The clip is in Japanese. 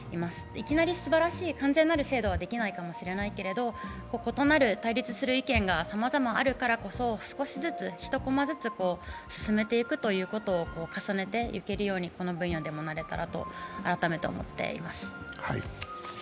いきなりすばらしい完全なる制度はできないけども、異なる対立する意見が、さまざまあるからこそ、少しずつ、一コマずつ進めていくということを重ねていけるようにこの分野でもいけたらと改めて思っています。